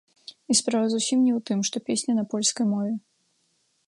І справа зусім не ў тым, што песня на польскай мове.